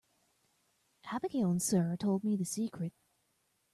Abigail and Sara told me the secret.